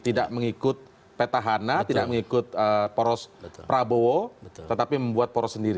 tidak mengikut petahana tidak mengikut poros prabowo tetapi membuat poros sendiri